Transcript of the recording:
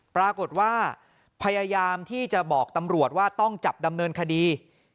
ปรากฏว่าพยายามที่จะบอกตำรวจว่าต้องจับดำเนินคดี